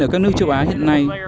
ở các nước châu á hiện nay